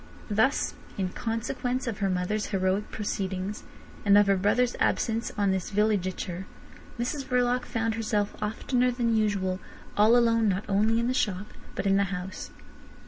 Thus in consequence of her mother's heroic proceedings, and of her brother's absence on this villegiature, Mrs Verloc found herself oftener than usual all alone not only in the shop, but in the house.